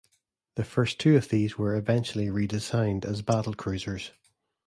The first two of these were eventually redesigned as battlecruisers.